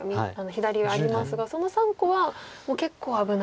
左上ありますがその３個はもう結構危ない？